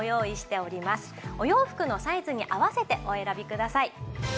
お洋服のサイズに合わせてお選びください。